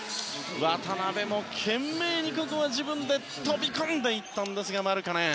渡邊も懸命に自分で飛び込んでいったんですがマルカネン。